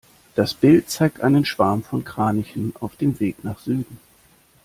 Das Bild zeigt einen Schwarm von Kranichen auf dem Weg nach Süden.